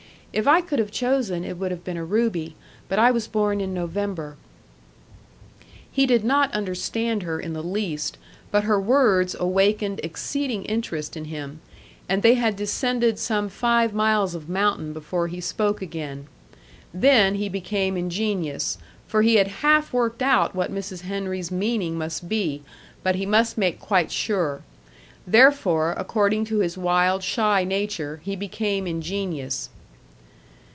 "If I could have chosen, it would have been a ruby. But I was born in November." He did not understand her in the least, but her words awakened exceeding interest in him; and they had descended some five miles of mountain before he spoke again. Then he became ingenious, for he had half worked out what Mrs. Henry's meaning must be; but he must make quite sure. Therefore, according to his wild, shy nature, he became ingenious.